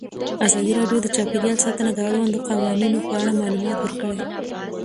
ازادي راډیو د چاپیریال ساتنه د اړونده قوانینو په اړه معلومات ورکړي.